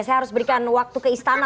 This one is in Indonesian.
saya harus berikan waktu ke istana